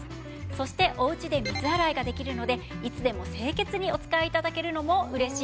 そしておうちで水洗いができるのでいつでも清潔にお使い頂けるのも嬉しいポイントです。